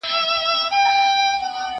زه د کتابتوننۍ سره خبري کړي دي!.